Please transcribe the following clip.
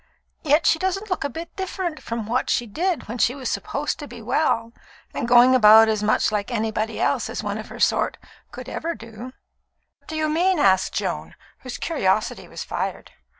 Yet she doesn't look a bit different from what she did when she was supposed to be well and going about as much like anybody else as one of her sort could ever do." "What do you mean?" asked Joan, whose curiosity was fired.